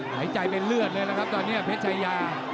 หายใจเป็นเลือดเลยนะครับตอนนี้เพชรชายา